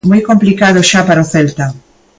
Moi complicado xa para o Celta.